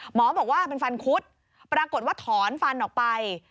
หมอบอกว่าเป็นฟันคุดปรากฏว่าถอนฟันออกไป